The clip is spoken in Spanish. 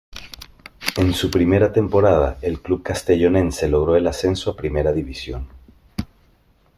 En su primera temporada en el club castellonense logró el ascenso a Primera División.